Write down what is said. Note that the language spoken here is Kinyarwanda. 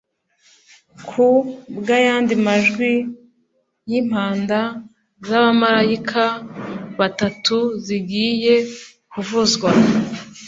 ku bw’ayandi majwi y’impanda z’abamarayika batatu zigiye kuvuzwa.”